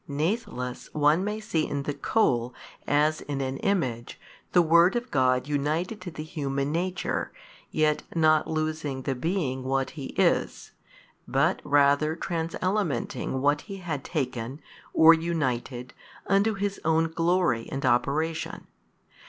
Natheless one may see in the coal, as in an image, the Word of God united to the human nature, yet not losing the being what He is, but rather trans elementing what He had taken, or united, unto His own glory and operation.